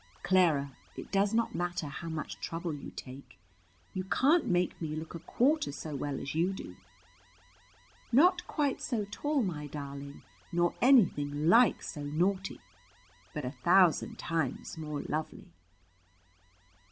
"Clara, it does not matter how much trouble you take; you can't make me look a quarter so well as you do." "Not quite so tall, my darling, nor anything like so naughty; but a thousand times more lovely."